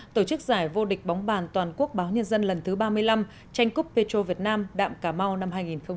tổ chức giải vô địch bóng bàn toàn quốc báo nhân dân lần thứ ba mươi năm tranh cúp petro việt nam đạm cà mau năm hai nghìn một mươi chín